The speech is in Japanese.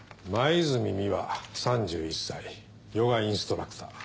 黛美羽３１歳ヨガインストラクター。